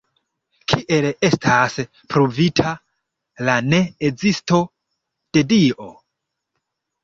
Kiel estas ‘pruvita’ la ne-ezisto de Dio?